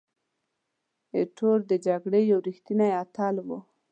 ایټور د جګړې یو ریښتینی اتل وو.